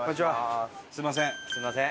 すみません。